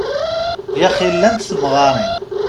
Yaxi llant temɣarin.